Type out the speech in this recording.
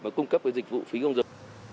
mà cung cấp với dịch vụ phí công dân